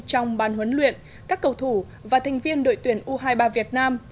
trong bàn huấn luyện các cầu thủ và thành viên đội tuyển u hai mươi ba việt nam